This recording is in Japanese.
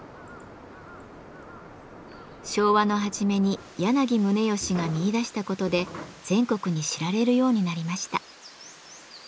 昭和の初めに柳宗悦が見いだしたことで全国に知られるようになりました。